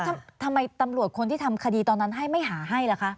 ทำไมตำรวจคนที่ทำคดีตอนนั้นให้ไม่หาให้ล่ะคะ